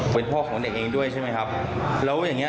เป็นพ่อของเด็กเองด้วยใช่ไหมครับแล้วอย่างเงี้